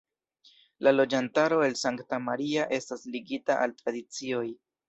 La loĝantaro el Sankta Maria estas ligita al tradicioj.